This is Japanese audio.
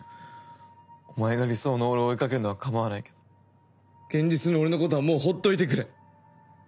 お前が理想の俺を追いかけるのはかまわないけど現実の俺のことはもうほっといてくれ。